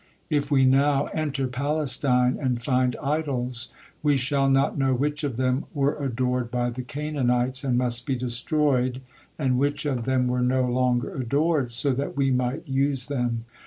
If we now enter Palestine and find idols, we shall not know which of them were adored by the Canaanites and must be destroyed, and which of them were no longer adored, so that we might use them."